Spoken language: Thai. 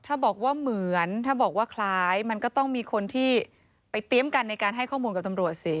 ถ้าบอกว่าเหมือนถ้าบอกว่าคล้ายมันก็ต้องมีคนที่ไปเตรียมกันในการให้ข้อมูลกับตำรวจสิ